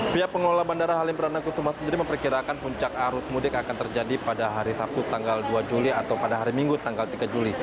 pihak pengelola bandara halim perdana kusuma sendiri memperkirakan puncak arus mudik akan terjadi pada hari sabtu tanggal dua juli atau pada hari minggu tanggal tiga juli